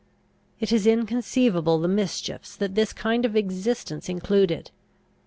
It is inconceivable the mischiefs that this kind of existence included.